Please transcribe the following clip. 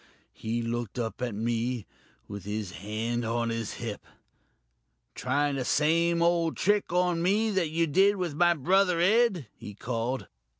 He looked up at me, with his hand on his hip. 'Trying the same old trick on me that you did with my brother Ed?' he called.